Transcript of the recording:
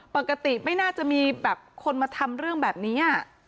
ปกติไม่น่าจะมีแบบคนมาทำเรื่องแบบนี้